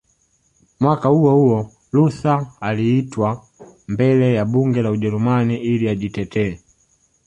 Mwaka huohuo Luther aliitwa mbele ya Bunge la Ujerumani ili ajitetee